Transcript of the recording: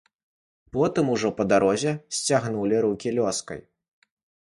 Потым ужо, па дарозе, сцягнулі рукі лёскай.